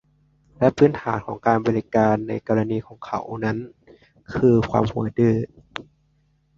และพื้นฐานของการบริการในกรณีของเขานั้นคือความหัวดื้อ